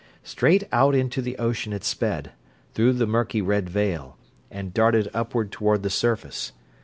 Straight out into the ocean it sped, through the murky red veil, and darted upward toward the surface.